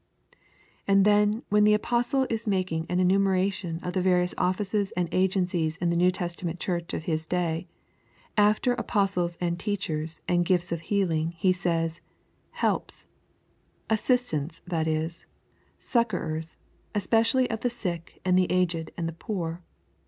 And then when the apostle is making an enumeration of the various offices and agencies in the New Testament church of his day, after apostles and teachers and gifts of healing, he says, 'helps,' assistants, that is, succourers, especially of the sick and the aged and the poor.